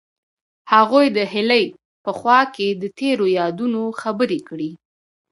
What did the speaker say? هغوی د هیلې په خوا کې تیرو یادونو خبرې کړې.